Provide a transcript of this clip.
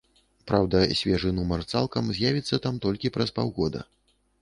Праўда, свежы нумар цалкам з'явіцца там толькі праз паўгода.